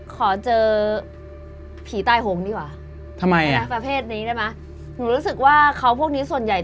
ขอเจอผีตายโหงดีกว่าทำไมนะประเภทนี้ได้ไหมหนูรู้สึกว่าเขาพวกนี้ส่วนใหญ่